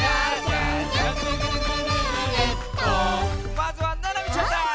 まずはななみちゃんだ！